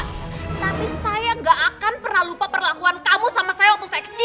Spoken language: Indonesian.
tapi saya gak akan pernah lupa perlakuan kamu sama saya waktu saya kecil